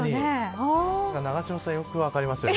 永島さん、よく分かりましたね。